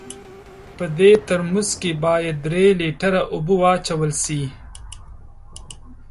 په دې ترموز کې باید درې لیټره اوبه واچول سي.